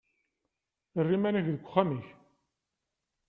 Err iman-ik deg uxxam-ik.